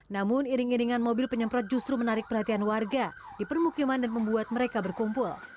namun iring iringan mobil penyemprot justru menarik perhatian warga di permukiman dan membuat mereka berkumpul